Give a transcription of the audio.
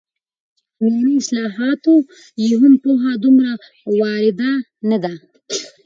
چې په عامیانه اصطلاحاتو یې هم پوهه دومره وارده نه ده